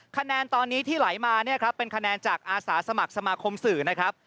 คะแนนตอนนี้ที่ไหลมาเนี่ยครับเป็นคะแนนจากอาสาสมัครสมาคมสื่อนะครับ